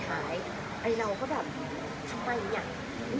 เราก็แบบทำไมเนี่ย